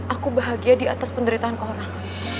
aku bahagia di atas penderitaan orang